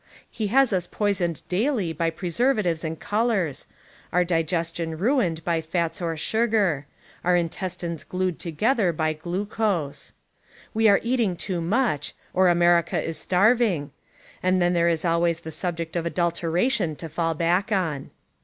He has us poisoned daily by pre servatives and colors; our digestion ruined by fats or sugar; our intestines glued together by glucose. We are eating too much, or America is starving; and then there is always the subject of adulteration to fall back on.